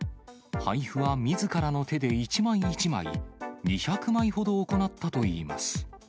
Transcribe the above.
配布はみずからの手で、一枚一枚、２００枚ほど行ったといいます。